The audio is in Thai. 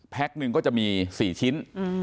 หนึ่งก็จะมี๔ชิ้น